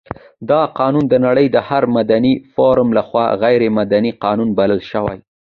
دغه قانون د نړۍ د هر مدني فورم لخوا غیر مدني قانون بلل شوی.